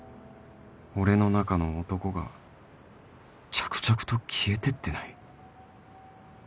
俺の中の男が着々と消えてってない？